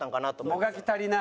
もがき足りない？